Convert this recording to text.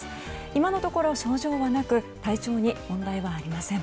今のところ症状はなく体調に問題はありません。